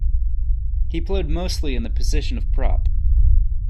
He played mostly in the position of prop.